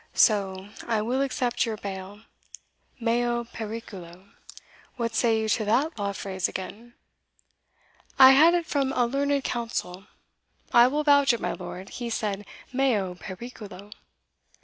So I will accept your bail, meo periculo what say you to that law phrase again? I had it from a learned counsel. I will vouch it, my lord, he said, meo periculo."